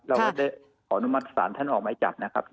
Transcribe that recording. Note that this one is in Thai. เราก็ได้ขออนุมัติศาลท่านออกไม้จับนะครับ